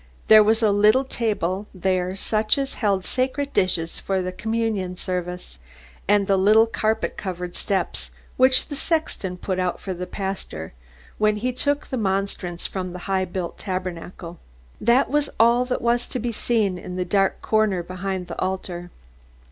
There was a little table there such as held the sacred dishes for the communion service, and the little carpet covered steps which the sexton put out for the pastor when he took the monstrance from the high built tabernacle. That was all that was to be seen in the dark corner behind the altar.